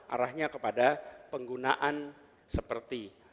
arahnya kepada penggunaan seperti